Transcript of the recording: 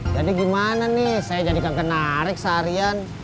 jadi gimana nih saya jadi kagak narik seharian